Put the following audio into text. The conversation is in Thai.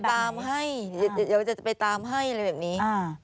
เขาบอกว่าเดี๋ยวจะไปตามให้เรียบที